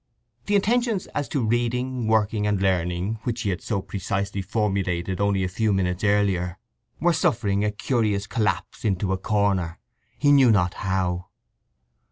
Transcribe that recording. The intentions as to reading, working, and learning, which he had so precisely formulated only a few minutes earlier, were suffering a curious collapse into a corner, he knew not how.